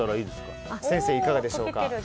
先生、いかがでしょうか。